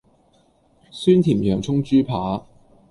酸甜洋蔥豬排